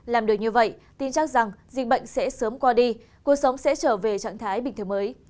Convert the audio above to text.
làm được như vậy tin chắc rằng dịch bệnh sẽ sớm qua đi cuộc sống sẽ trở về trạng thái bình thường mới